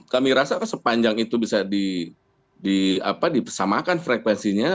kami rasa sepanjang itu bisa disamakan frekuensinya